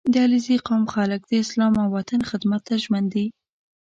• د علیزي قوم خلک د اسلام او وطن خدمت ته ژمن دي.